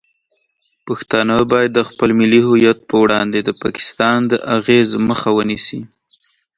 پښتانه باید د خپل ملي هویت په وړاندې د پاکستان د اغیز مخه ونیسي.